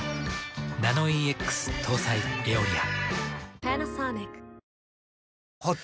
ナノイーＸ搭載「エオリア」。